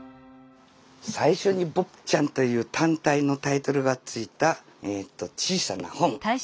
最初に「坊ちゃん」という単体のタイトルがついた小さな本。